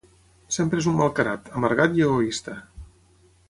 Sempre és un malcarat, amargat i egoista.